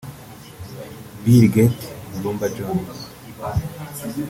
Billgate (Mulumba John)